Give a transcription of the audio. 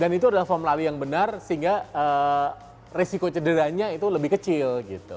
dan itu adalah form lari yang benar sehingga risiko cederanya itu lebih kecil